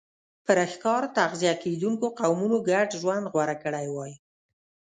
پر ښکار تغذیه کېدونکو قومونو ګډ ژوند غوره کړی وای.